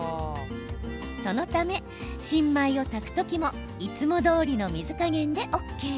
そのため、新米を炊く時もいつもどおりの水加減でＯＫ。